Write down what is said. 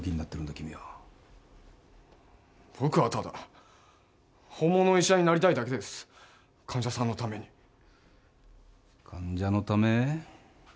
君は僕はただ本物の医者になりたいだけです患者さんのために患者のため？